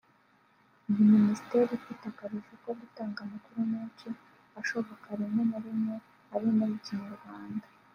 Iyi Minisiteri ifite akarusho ko gutanga amakuru menshi ashoboka rimwe na rimwe ari no mu kinyarwanda